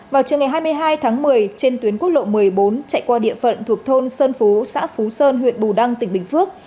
vào trường ngày hai mươi hai tháng một mươi trên tuyến quốc lộ một mươi bốn chạy qua địa phận thuộc thôn sơn phú xã phú sơn huyện bù đăng tỉnh bình phước